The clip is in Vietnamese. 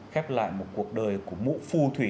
khép lại một cuộc đời của mũ phu thủy